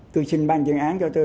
tôi xin ban chuyên án cho tôi